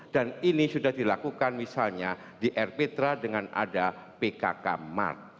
dan ini sudah dilakukan misalnya di air petra dengan ada pkk mart